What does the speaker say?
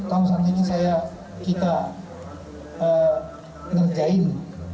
tahun saat ini kita ngerjain